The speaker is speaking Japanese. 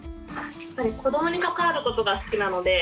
子どもに関わることが好きなので。